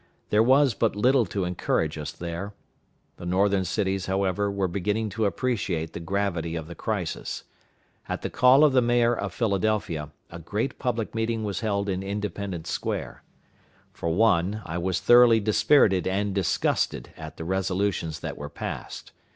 There was but little to encourage us there. The Northern cities, however, were beginning to appreciate the gravity of the crisis. At the call of the Mayor of Philadelphia, a great public meeting was held in Independence Square. For one, I was thoroughly dispirited and disgusted at the resolutions that were passed.